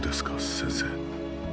先生。